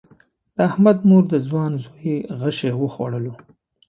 د احمد مور د ځوان زوی غشی وخوړلو.